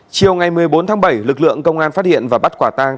chiều ngày một mươi bốn tháng bảy lực lượng công an phát hiện và bắt quả tang